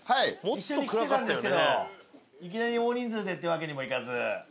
一緒に来てたんですけどいきなり大人数でっていうわけにもいかず。